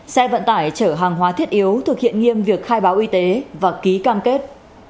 xe vận tải chở hàng hóa thiết yếu thực hiện nghiêm việc khai báo y tế và ký cam kết